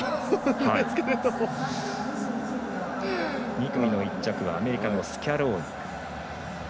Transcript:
２組の１着はアメリカのスキャローニ。